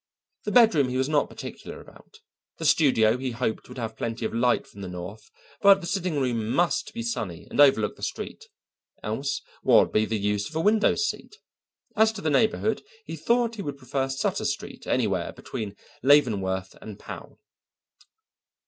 The bedroom he was not particular about, the studio he hoped would have plenty of light from the north, but the sitting room must be sunny and overlook the street, else what would be the use of a window seat? As to the neighbourhood, he thought he would prefer Sutter Street anywhere between Leavenworth and Powell.